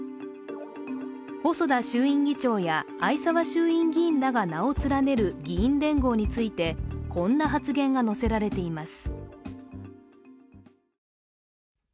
細田衆院議長や逢沢衆院議員らが名を連ねる議員連合についてこんな発言が載せられています。